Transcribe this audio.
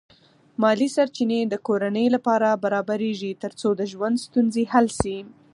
مالی سرچینې د کورنۍ لپاره برابرېږي ترڅو د ژوند ستونزې حل شي.